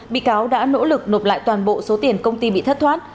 bị cáo đã nỗ lực nộp lại toàn bộ số tiền công ty bị thất thoát